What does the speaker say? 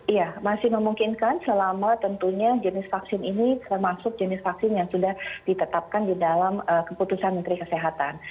iya masih memungkinkan selama tentunya jenis vaksin ini termasuk jenis vaksin yang sudah ditetapkan di dalam keputusan menteri kesehatan